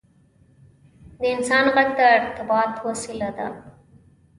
• د انسان ږغ د ارتباط وسیله ده.